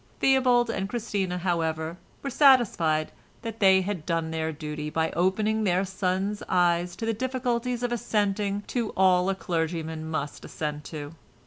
Theobald and Christina, however, were satisfied that they had done their duty by opening their son's eyes to the difficulties of assenting to all a clergyman must assent to.